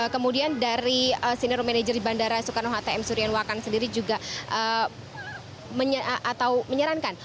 kemudian dari senior manager di bandara soekarno hatem surian wakang sendiri juga menyarankan